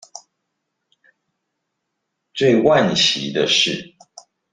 最惋惜的是